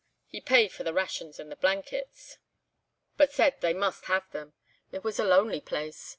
He paid for the rations and the blankets, but said they must have them. It was a lonely place.